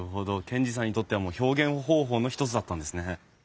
賢治さんにとってはもう表現方法の一つだったんですね。